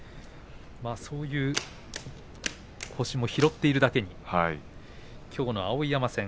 そういう星も拾っているだけにきょうの碧山戦。